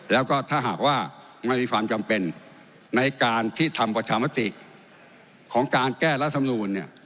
แล้วก็ถ้าหากว่าไม่มีความจำเป็นในการที่ทำประชามติของการแก้รัฐมนูลเนี่ย